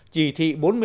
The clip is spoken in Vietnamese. chỉ thị bốn mươi năm